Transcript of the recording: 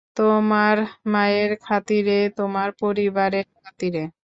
তোমার মায়ের খাতিরে, তোমার পরিবারের খাতিরে।